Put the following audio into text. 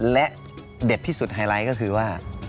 และเด็ดที่สุดไฮไลท์ก็คือว่า